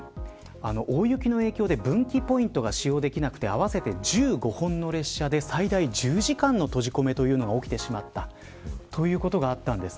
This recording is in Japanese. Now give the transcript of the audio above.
大雪の影響で分岐ポイントが使用できなくて合わせて１５本の列車で最大１０時間の閉じ込めが起きてしまったということがあったんです。